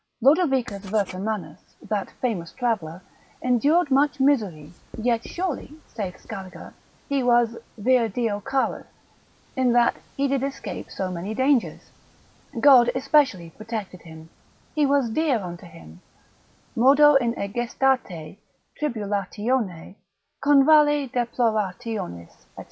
Lodovicus Vertomannus, that famous traveller, endured much misery, yet surely, saith Scaliger, he was vir deo charus, in that he did escape so many dangers, God especially protected him, he was dear unto him: Modo in egestate, tribulatione, convalle deplorationis, &c.